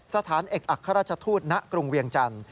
สถานเอกอัครราชทูตณกรุงเวียงจันทร์